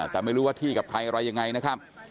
แต่ไม่รู้ว่าที่กับใครอะไรยังไงนะครับ